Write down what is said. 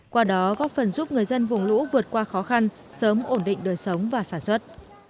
qua đó góp phần giúp người dân vùng lũ vượt qua khó khăn sớm ổn định đời sống và sản xuất